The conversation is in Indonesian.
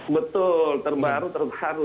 betul terbaru terbaru